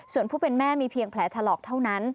ส่วนผู้เป็นแม่มีเพียงแผลถลอกเท่านั้น